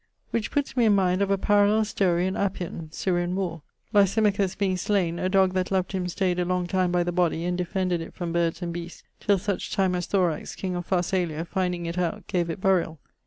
Which putts me inmind of a parallell storie in Appian (Syrian Warr): Lysimachus being slaine, a dog that loved him stayed a long time by the body and defended it from birds and beasts till such time as Thorax, king of Pharsalia, finding it out gave it buriall.